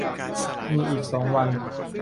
มีอีกสองวัน